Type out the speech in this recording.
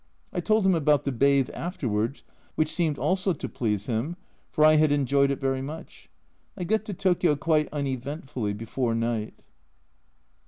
I told him about the bathe afterwards, which seemed also to please him, for I had enjoyed it very much. I got to Tokio quite uneventfully before night.